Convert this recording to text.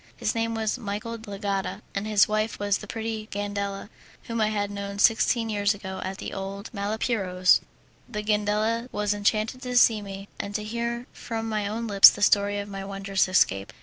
His name was Michel de l'Agata, and his wife was the pretty Gandela, whom I had known sixteen years ago at the old Malipiero's. The Gandela was enchanted to see me, and to hear from my own lips the story of my wondrous escape.